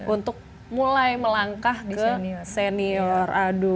untuk mulai melangkah ke senior adu